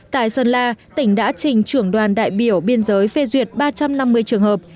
tại sơn la tỉnh đã trình trưởng đoàn đại biểu biên giới phê duyệt ba trăm năm mươi trường hợp